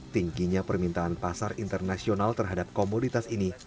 tingginya permintaan pasar internasional terhadap komoditas ini